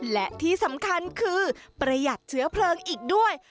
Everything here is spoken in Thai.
และที่สำคัญคือประหยัดเชื้อเพลิงอีกด้วย